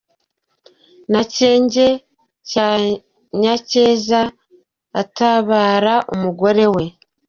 na Cyenge cya Nyacyesa. Atabara umugore we